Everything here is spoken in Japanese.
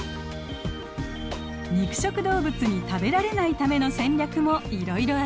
肉食動物に食べられないための戦略もいろいろあります。